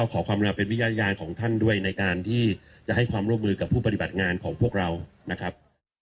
ขอความเป็นวิทยาลของท่านด้วยในการที่จะให้ความร่วมมือกับผู้ปฏิบัติงานของพวกเรานะครับ